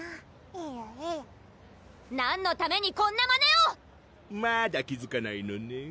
えるえる何のためにこんなまねを⁉まだ気づかないのねん？